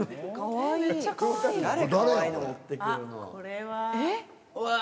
これは。